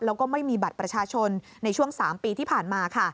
แล้วก็ไม่มีบัตรประชาชนในช่วง๓ปีที่ผ่านมาค่ะ